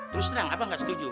terus terang abang gak setuju